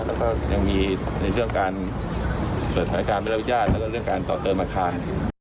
แล้วก็ยังมีในเรื่องการส่วนธรรมดาวิทยาลัยแล้วก็เรื่องการต่อเติมบันคาร